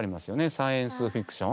サイエンス・フィクション。